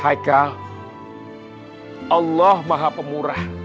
haikal allah maha pemurah